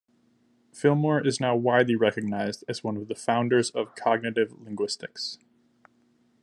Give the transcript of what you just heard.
Fillmore is now widely recognized as one of the founders of cognitive linguistics.